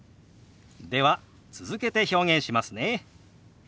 では続けて表現しますね。